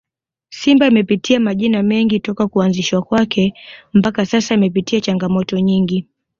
Simba imepitia majina mengi toka kuanzishwa kwake mpaka sasa imepitia changamoto nyingi